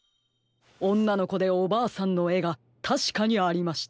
おんなのこでおばあさんのえがたしかにありました。